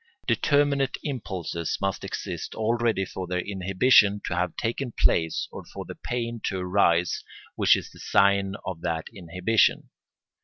Determinate impulses must exist already for their inhibition to have taken place or for the pain to arise which is the sign of that inhibition.